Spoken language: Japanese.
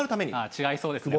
違いそうですね。